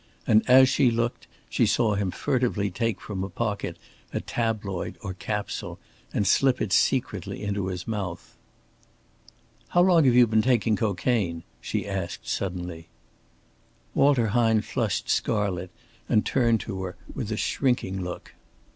And as she looked, she saw him furtively take from a pocket a tabloid or capsule and slip it secretly into his mouth. "How long have you been taking cocaine?" she asked, suddenly. Walter Hine flushed scarlet and turned to her with a shrinking look.